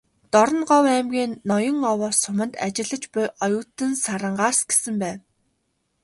"Дорноговь аймгийн Ноён-Овоо суманд ажиллаж буй оюутан Сарангаа"с гэсэн байв.